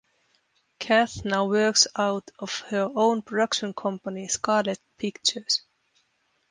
Kath now works out of her own production company Scarlett Pictures.